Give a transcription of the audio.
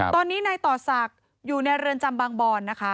ตอนนี้นายต่อศักดิ์อยู่ในเรือนจำบางบอนนะคะ